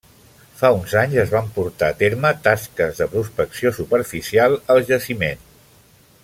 Fa uns anys es van portar a terme tasques de prospecció superficial al jaciment.